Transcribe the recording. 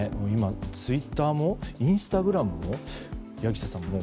今、ツイッターもインスタグラムも柳下さん